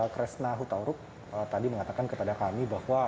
kresna hutauruk tadi mengatakan kepada kami bahwa